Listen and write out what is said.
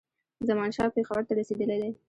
زمانشاه پېښور ته رسېدلی دی.